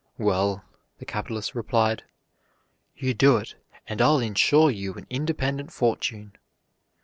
"Well," the capitalist replied, "you do it, and I'll insure you an independent fortune."